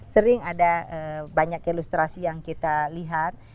sering ada banyak ilustrasi yang kita lihat